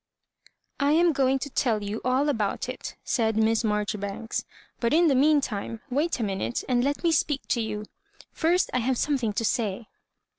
"I am going to tell you all about it," said Miss Marjoribanks, " but in the mean time wait a minute and let me speak to you. First I have something to say."